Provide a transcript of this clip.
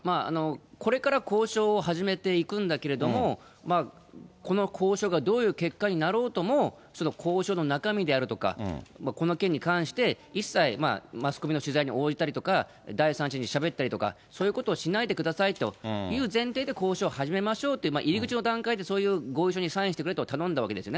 これから交渉を始めていくんだけれども、この交渉がどういう結果になろうとも、その交渉の中身であるとか、この件に関して、一切マスコミの取材に応じたりとか、第三者にしゃべったりとか、そういうことをしないでくださいという前提で交渉を始めましょうという、入り口の段階で、そういう合意書にサインしてくれと頼んだわけですね。